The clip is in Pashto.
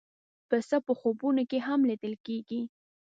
پسه په خوبونو کې هم لیدل کېږي.